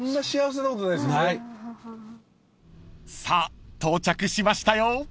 ［さあ到着しましたよ］